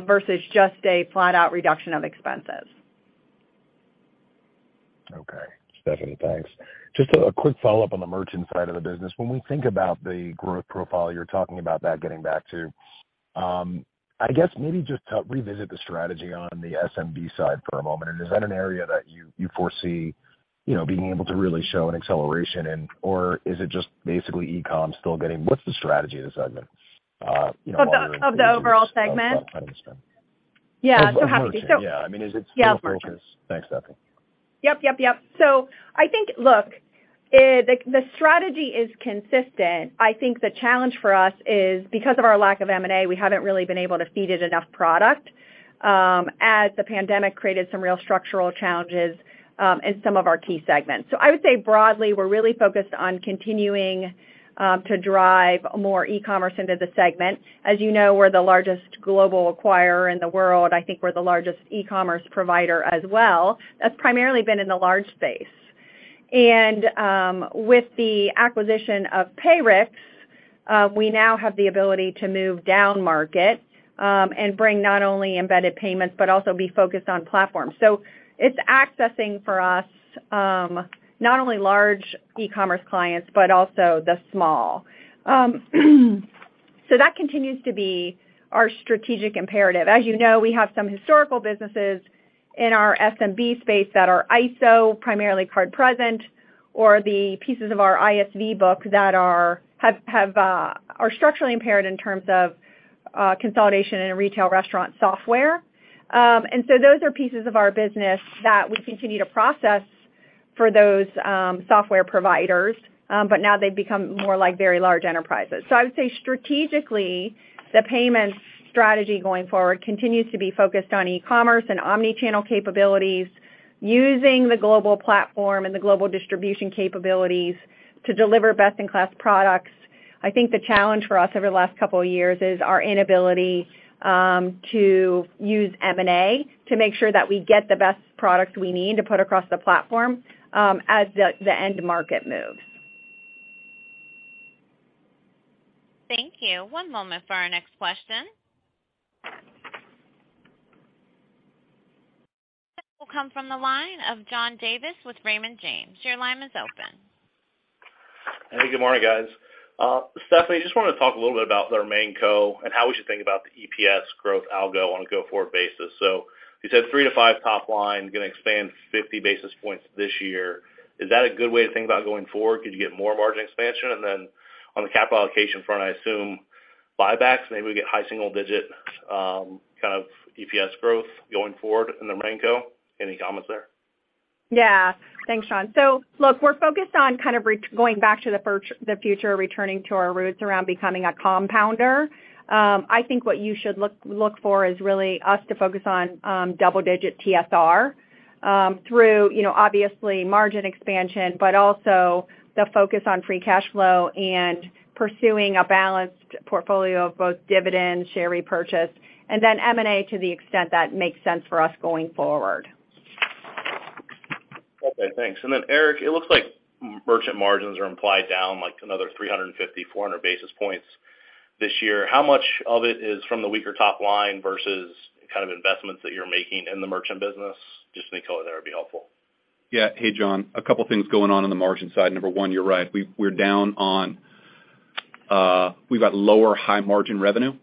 versus just a flat out reduction of expenses. Okay. Stephanie, thanks. Just a quick follow-up on the merchant side of the business. When we think about the growth profile you're talking about that getting back to, I guess maybe just to revisit the strategy on the SMB side for a moment. Is that an area that you foresee, you know, being able to really show an acceleration in? Or is it just basically eCommerce? What's the strategy of the segment, you know? Of the overall segment? I don't understand. Yeah. Yeah. I mean, is it small focus? Yeah, merchant. Thanks, Stephanie. Yep. I think, look, the strategy is consistent. I think the challenge for us is because of our lack of M&A, we haven't really been able to feed it enough product, as the pandemic created some real structural challenges, in some of our key segments. I would say broadly, we're really focused on continuing to drive more eCommerce into the segment. As you know, we're the largest global acquirer in the world. I think we're the largest eCommerce provider as well. That's primarily been in the large space. With the acquisition of Payrix, we now have the ability to move down market and bring not only embedded payments but also be focused on platforms. It's accessing for us not only large eCommerce clients, but also the small. That continues to be our strategic imperative. As you know, we have some historical businesses in our SMB space that are ISO, primarily card present, or the pieces of our ISV book that are structurally impaired in terms of consolidation in a retail restaurant software. Those are pieces of our business that we continue to process for those software providers, but now they've become more like very large enterprises. I would say strategically, the payments strategy going forward continues to be focused on eCommerce and omni-channel capabilities using the global platform and the global distribution capabilities to deliver best-in-class products. I think the challenge for us over the last couple of years is our inability, to use M&A to make sure that we get the best products we need to put across the platform, as the end market moves. Thank you. One moment for our next question. This will come from the line of John Davis with Raymond James. Your line is open. Hey, good morning, guys. Stephanie, just wanted to talk a little bit about the RemainCo and how we should think about the EPS growth algo on a go-forward basis. You said 3% to 5% top line gonna expand 50 basis points this year. Is that a good way to think about going forward? Could you get more margin expansion? On the capital allocation front, I assume buybacks, maybe we get high single-digit kind of EPS growth going forward in the RemainCo. Any comments there? Yeah. Thanks, John. Look, we're focused on kind of going back to the future, returning to our roots around becoming a compounder. I think what you should look for is really us to focus on double-digit TSR through, you know, obviously margin expansion, but also the focus on free cash flow and pursuing a balanced portfolio of both dividend share repurchase M&A to the extent that makes sense for us going forward. Okay, thanks. Erik, it looks like merchant margins are implied down like another 350, 400 basis points this year. How much of it is from the weaker top line versus kind of investments that you're making in the merchant business? Just any color there would be helpful. Yeah. Hey, John. A two things going on the margin side. Number one, you're right. We're down on, we've got lower high margin revenue.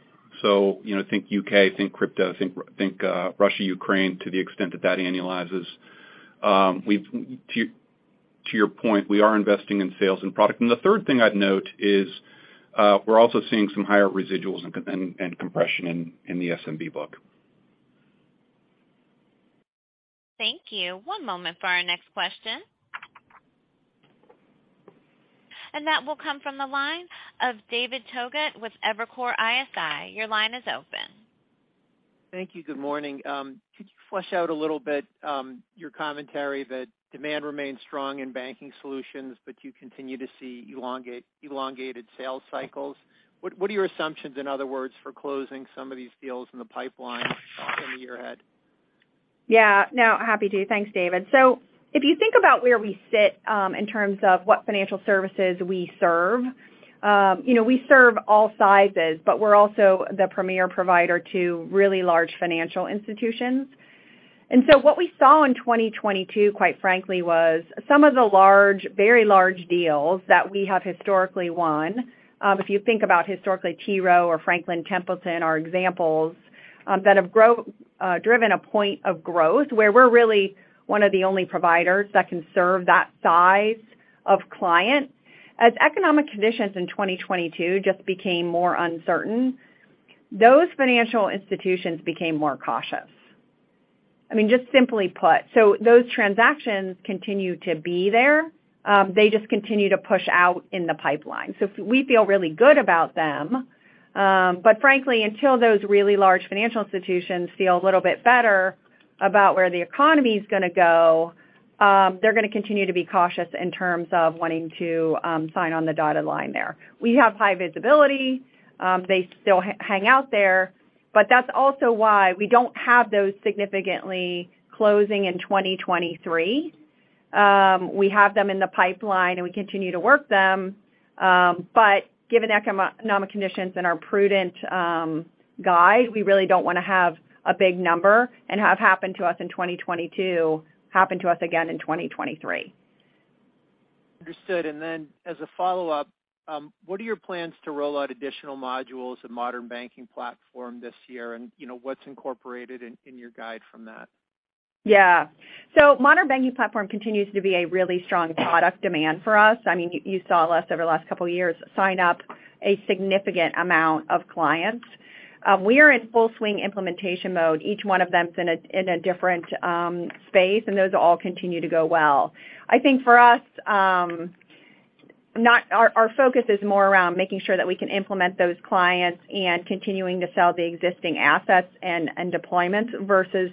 You know, think U.K., think crypto, think Russia, Ukraine, to the extent that that annualizes. To your point, we are investing in sales and product. The third thing I'd note is, we're also seeing some higher residuals and compression in the SMB book. Thank you. One moment for our next question. That will come from the line of David Togut with Evercore ISI. Your line is open. Thank you. Good morning. Could you flesh out a little bit, your commentary that demand remains strong in banking solutions, but you continue to see elongated sales cycles? What are your assumptions, in other words, for closing some of these deals in the pipeline in the year ahead? Yeah. No, happy to. Thanks, David. If you think about where we sit, in terms of what financial services we serve, you know, we serve all sizes, but we're also the premier provider to really large financial institutions. What we saw in 2022, quite frankly, was some of the large, very large deals that we have historically won, if you think about historically, T. Rowe or Franklin Templeton are examples, that have driven a point of growth where we're really one of the only providers that can serve that size of client. As economic conditions in 2022 just became more uncertain, those financial institutions became more cautious. I mean, just simply put. Those transactions continue to be there, they just continue to push out in the pipeline. We feel really good about them. Frankly, until those really large financial institutions feel a little bit better about where the economy is gonna go, they're gonna continue to be cautious in terms of wanting to sign on the dotted line there. We have high visibility. They still hang out there, but that's also why we don't have those significantly closing in 2023. We have them in the pipeline, and we continue to work them. Given economic conditions and our prudent guide, we really don't wanna have a big number and have happened to us in 2022 happen to us again in 2023. Understood. Then as a follow-up, what are your plans to roll out additional modules of Modern Banking Platform this year? You know, what's incorporated in your guide from that? Yeah. Modern Banking Platform continues to be a really strong product demand for us. I mean, you saw us over the last couple of years sign up a significant amount of clients. We are in full swing implementation mode. Each one of them is in a different space, and those all continue to go well. I think for us, our focus is more around making sure that we can implement those clients and continuing to sell the existing assets and deployments versus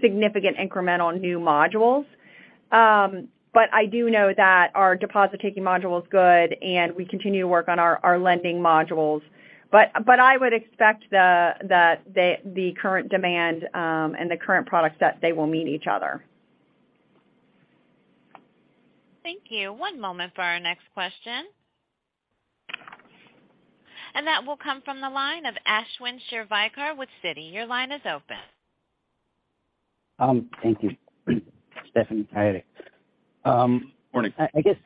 significant incremental new modules. I do know that our deposit-taking module is good, and we continue to work on our lending modules. I would expect the current demand and the current product set, they will meet each other. Thank you. One moment for our next question. That will come from the line of Ashwin Shirvaikar with Citi. Your line is open. Thank you. Stephanie, hi. Morning. I guess,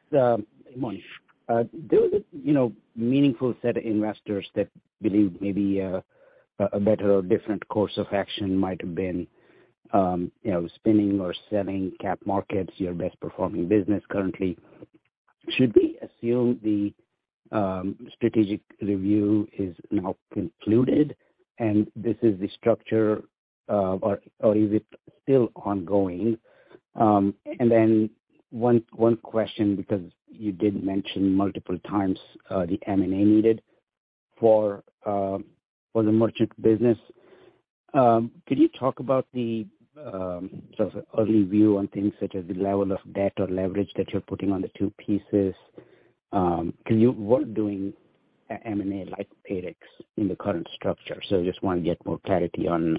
morning. There was a, you know, meaningful set of investors that believed maybe, a better or different course of action might have been, you know, spinning or selling cap markets, your best performing business currently. Should we assume the strategic review is now concluded and this is the structure, or is it still ongoing? One question because you did mention multiple times, the M&A needed for the merchant business. Could you talk about the sort of early view on things such as the level of debt or leverage that you're putting on the two pieces? What doing M&A like Payrix in the current structure? Just wanna get more clarity on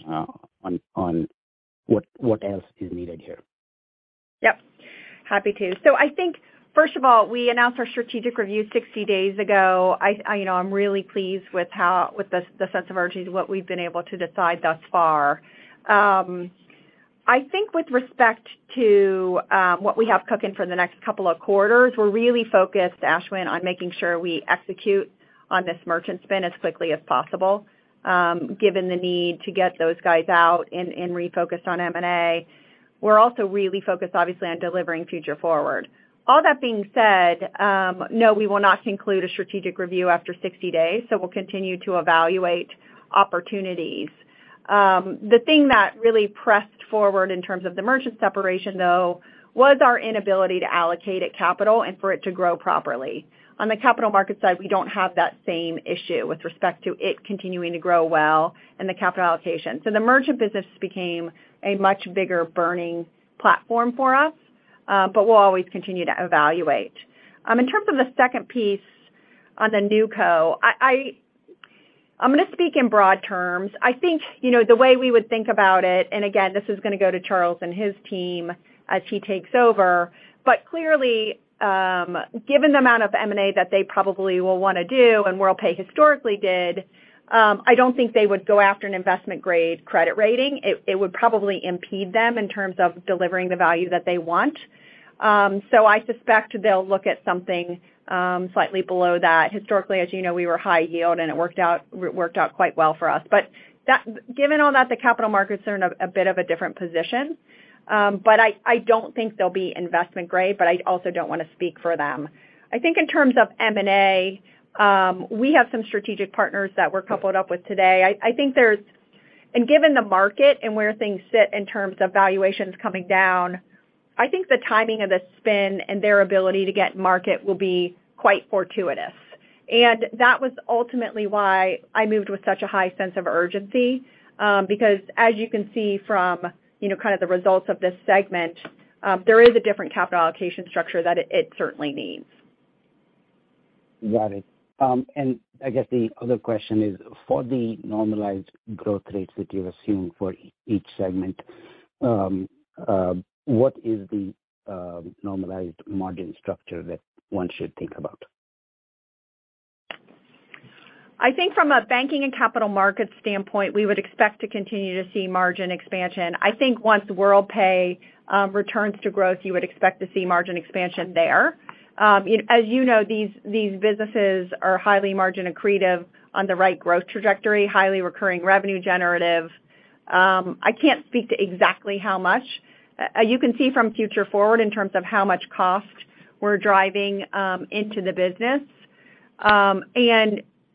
what else is needed here. Yep. Happy to. I think first of all, we announced our strategic review 60 days ago. I, you know, I'm really pleased with the sense of urgency, what we've been able to decide thus far. I think with respect to what we have cooking for the next couple of quarters, we're really focused, Ashwin, on making sure we execute on this merchant spin as quickly as possible, given the need to get those guys out and refocused on M&A. We're also really focused, obviously, on delivering Future Forward. All that being said, no, we will not conclude a strategic review after 60 days. We'll continue to evaluate opportunities. The thing that really pressed forward in terms of the merchant separation, though, was our inability to allocate it capital and for it to grow properly. On the capital market side, we don't have that same issue with respect to it continuing to grow well and the capital allocation. The merchant business became a much bigger burning platform for us, but we'll always continue to evaluate. In terms of the second piece on the NewCo, I'm gonna speak in broad terms. I think, you know, the way we would think about it, and again, this is gonna go to Charles and his team as he takes over. Clearly, given the amount of M&A that they probably will wanna do and Worldpay historically did, I don't think they would go after an investment-grade credit rating. It would probably impede them in terms of delivering the value that they want. So I suspect they'll look at something slightly below that. Historically, as you know, we were high yield, and it worked out quite well for us. Given all that, the capital markets are in a bit of a different position. I don't think they'll be investment-grade, but I also don't wanna speak for them. I think in terms of M&A, we have some strategic partners that we're coupled up with today. I think there's. Given the market and where things sit in terms of valuations coming down, I think the timing of the spin and their ability to get market will be quite fortuitous. That was ultimately why I moved with such a high sense of urgency, because as you can see from, you know, kind of the results of this segment, there is a different capital allocation structure that it certainly needs. Got it. I guess the other question is for the normalized growth rates that you've assumed for each segment, what is the normalized margin structure that one should think about? I think from a banking and capital market standpoint, we would expect to continue to see margin expansion. I think once Worldpay returns to growth, you would expect to see margin expansion there. As you know, these businesses are highly margin accretive on the right growth trajectory, highly recurring revenue generative. I can't speak to exactly how much. You can see from Future Forward in terms of how much cost we're driving into the business.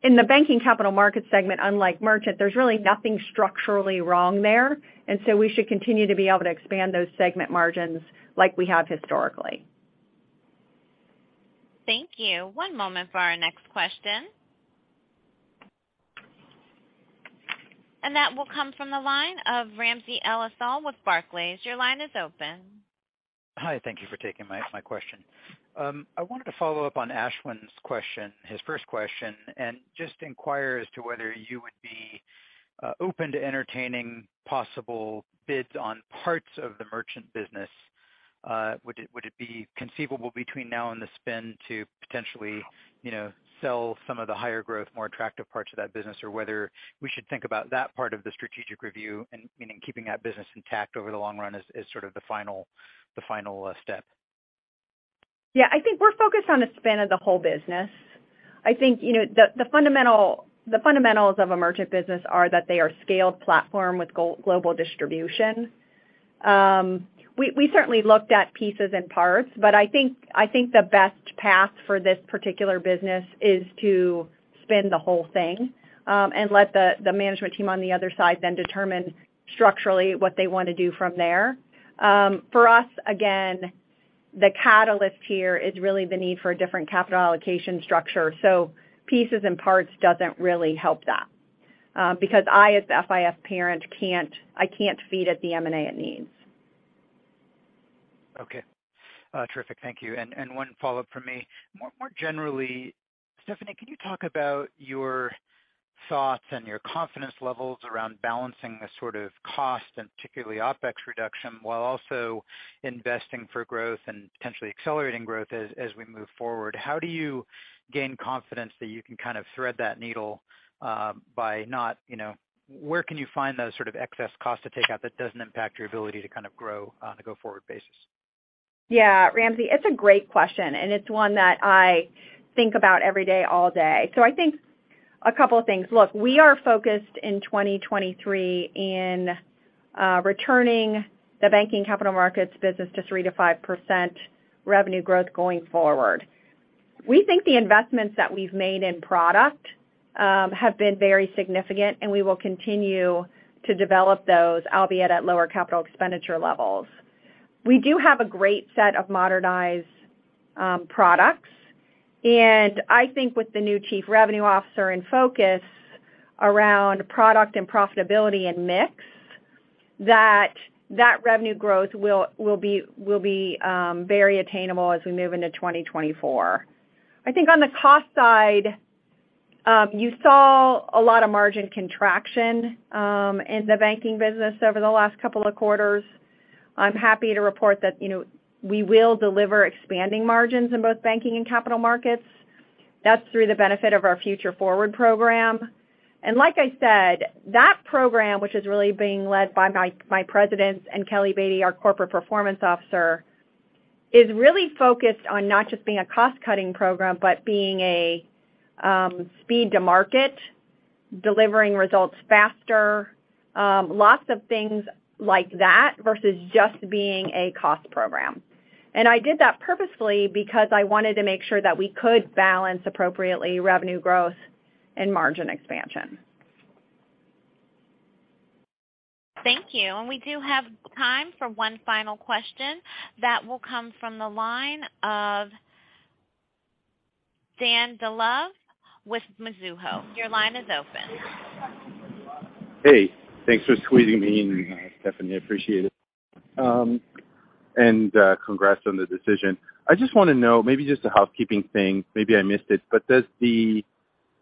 In the banking capital market segment, unlike merchant, there's really nothing structurally wrong there, and so we should continue to be able to expand those segment margins like we have historically. Thank you. One moment for our next question. That will come from the line of Ramsey El-Assal with Barclays. Your line is open. Hi. Thank you for taking my question. I wanted to follow up on Ashwin's question, his first question, and just inquire as to whether you would be open to entertaining possible bids on parts of the merchant business. Would it be conceivable between now and the spin to potentially, you know, sell some of the higher growth, more attractive parts of that business, or whether we should think about that part of the strategic review and meaning keeping that business intact over the long run as sort of the final step? Yeah. I think we're focused on a spin of the whole business. I think the fundamentals of a merchant business are that they are scaled platform with global distribution. We certainly looked at pieces and parts, but I think the best path for this particular business is to spin the whole thing and let the management team on the other side then determine structurally what they wanna do from there. For us, again, the catalyst here is really the need for a different capital allocation structure. Pieces and parts doesn't really help that because I as the FIS parent can't feed at the M&A it needs. Okay. terrific. Thank you. One follow-up from me. More generally, Stephanie, can you talk about your thoughts and your confidence levels around balancing the sort of cost and particularly OpEx reduction while also investing for growth and potentially accelerating growth as we move forward? How do you gain confidence that you can kind of thread that needle by not, you know, where can you find those sort of excess costs to take out that doesn't impact your ability to kind of grow on a go-forward basis? Yeah. Ramsey, it's a great question, and it's one that I think about every day, all day. I think a couple of things. Look, we are focused in 2023 in returning the banking capital markets business to 3% to 5% revenue growth going forward. We think the investments that we've made in product have been very significant, and we will continue to develop those, albeit at lower capital expenditure levels. We do have a great set of modernized products. I think with the new chief revenue officer and focus around product and profitability and mix, that that revenue growth will be very attainable as we move into 2024. I think on the cost side, you saw a lot of margin contraction in the banking business over the last couple of quarters. I'm happy to report that, you know, we will deliver expanding margins in both banking and capital markets. That's through the benefit of our Future Forward program. Like I said, that program, which is really being led by my presidents and Kelly Beatty, our Corporate Performance Officer, is really focused on not just being a cost-cutting program, but being a speed to market, delivering results faster, lots of things like that versus just being a cost program. I did that purposefully because I wanted to make sure that we could balance appropriately revenue growth and margin expansion. Thank you. We do have time for one final question. That will come from the line of Dan Dolev with Mizuho. Your line is open. Hey, thanks for squeezing me in, Stephanie. Appreciate it. Congrats on the decision. I just wanna know, maybe just a housekeeping thing, maybe I missed it, but does the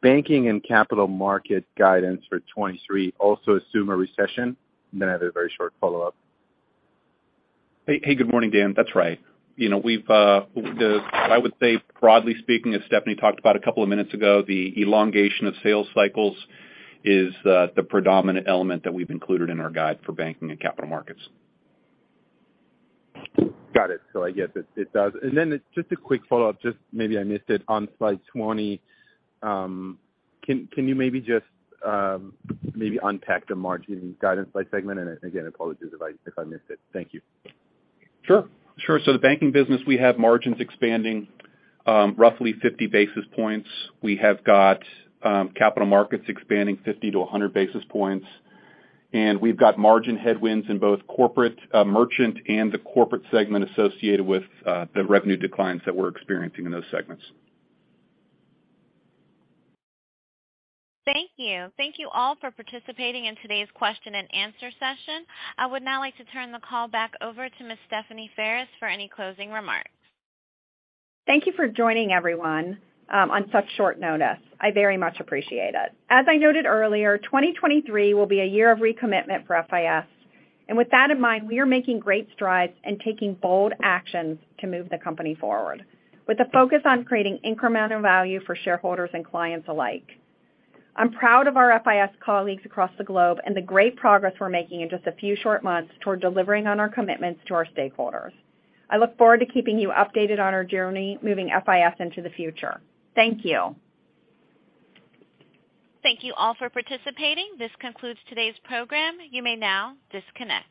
banking and capital market guidance for 23 also assume a recession? I have a very short follow-up. Hey. Hey. Good morning, Dan. That's right. You know, we've, I would say broadly speaking, as Stephanie talked about a couple of minutes ago, the elongation of sales cycles is the predominant element that we've included in our guide for banking and capital markets. Got it. I guess it does. Then just a quick follow-up, just maybe I missed it on slide 20, can you maybe just maybe unpack the margin guidance by segment? Again, apologies if I missed it. Thank you. Sure. Sure. The banking business, we have margins expanding, roughly 50 basis points. We have got capital markets expanding 50-100 basis points. We've got margin headwinds in both corporate merchant and the corporate segment associated with the revenue declines that we're experiencing in those segments. Thank you. Thank you all for participating in today's question and answer session. I would now like to turn the call back over to Ms. Stephanie Ferris for any closing remarks. Thank you for joining, everyone, on such short notice. I very much appreciate it. As I noted earlier, 2023 will be a year of recommitment for FIS. With that in mind, we are making great strides and taking bold actions to move the company forward with a focus on creating incremental value for shareholders and clients alike. I'm proud of our FIS colleagues across the globe and the great progress we're making in just a few short months toward delivering on our commitments to our stakeholders. I look forward to keeping you updated on our journey moving FIS into the future. Thank you. Thank you all for participating. This concludes today's program. You may now disconnect.